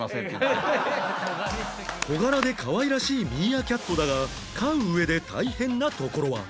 小柄でかわいらしいミーアキャットだが飼う上で大変なところは？